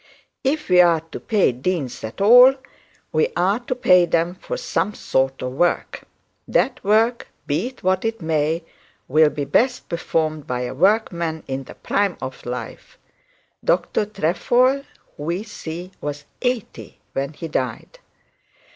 If we are to pay deans at all, we are to pay them for some sort of work. That work, be it what it may, will be best performed by a workman in the prime of life. Dr Trefoil, we see, was eighty when he died.